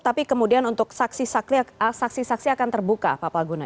tapi kemudian untuk saksi saksi akan terbuka pak palguna